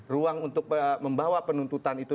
ruang untuk membawa penuntutan itu